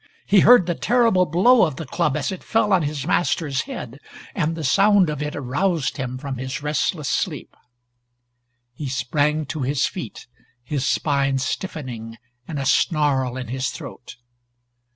He heard the terrible blow of the club as it fell on his master's head and the sound of it aroused him from his restless sleep. He sprang to his feet, his spine stiffening and a snarl in his throat.